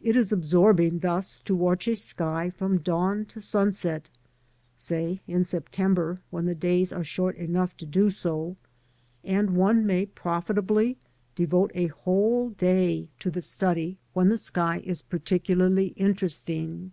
It is absorbing thus to watch a sky from dawn to sunset (say in September when the days are short enough to do so), and one may profitably devote a whole day to the study when K 66 LANDSCAPE PAINTING IN OIL COLOUR. the sky is particularly interesting.